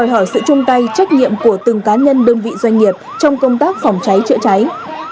hỏi sự chung tay trách nhiệm của từng cá nhân đơn vị doanh nghiệp trong công tác phòng cháy chữa cháy